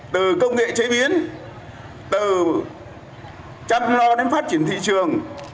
từ công nghệ chế biến từ chăm lo đến phát triển thị trường